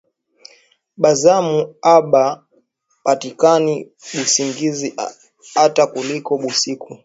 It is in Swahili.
Ba zamu aba pataki busingizi ata kiloko busiku